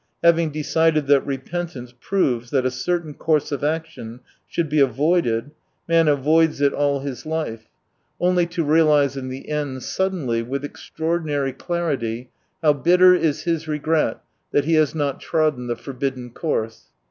Having decided that repent ance proves that a certain course of action should be avoided, man avoids it all his 102 life; only to realise in the end, suddenly, with extraordinary clarity, how bitter is his regret that he has not trodden the for bidden course.